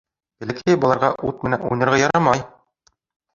Бәләкәй балаларға ут менән уйнарға ярамай!